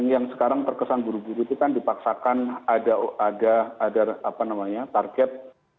yang sekarang terkesan buru buru itu kan dipaksakan ada target